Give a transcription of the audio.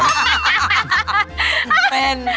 ไม่เป็น